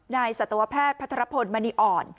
สัตวแพทย์พัทรพลมณีอ่อน